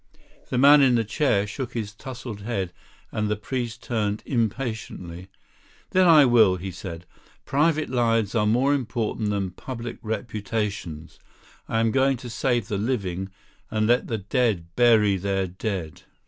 The man on the chair shook his tousled head, and the priest turned impatiently. "Then I will," he said. "Private lives are more important than public reputations. I am going to save the living, and let the dead bury their dead."